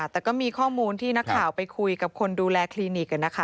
แต่ก็มีข้อมูลที่นักข่าวไปคุยกับคนดูแลคลินิก